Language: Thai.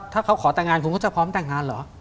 ถ้าเขาขอแต่งงานคุณก็จะพร้อมแต่งงานเหรอ